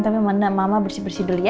tapi mama bersih bersih dulu ya